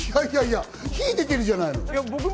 火が出てるじゃないの。